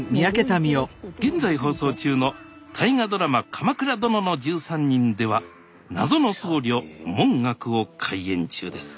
現在放送中の大河ドラマ「鎌倉殿の１３人」では謎の僧侶文覚を怪演中です